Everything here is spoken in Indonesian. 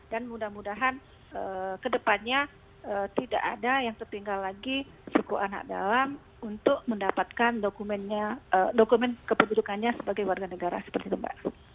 dan mudah mudahan kedepannya tidak ada yang tertinggal lagi suku anak dalam untuk mendapatkan dokumennya dokumen keperlindungannya sebagai warga negara seperti itu mbak